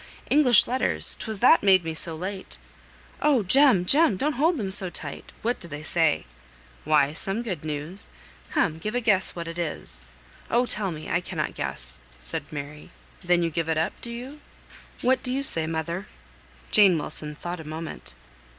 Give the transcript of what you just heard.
"English letters! 'Twas that made me so late!" "Oh, Jem, Jem! don't hold them so tight! What do they say?" "Why, some good news. Come, give a guess what it is." "Oh, tell me! I cannot guess," said Mary. "Then you give it up, do you? What do you say, mother?" Jane Wilson thought a moment.